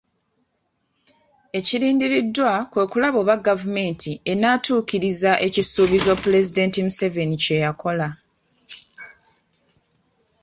Ekirindiriddwa kwe kulaba oba gavumenti enaatuukiriza ekisuuubizo Pulezidenti Museveni kye yakola .